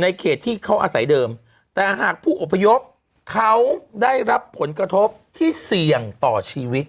ในเขตที่เขาอาศัยเดิมแต่หากผู้อพยพเขาได้รับผลกระทบที่เสี่ยงต่อชีวิต